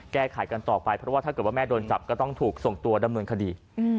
แก้ไขกันต่อไปเพราะว่าถ้าเกิดว่าแม่โดนจับก็ต้องถูกส่งตัวดำเนินคดี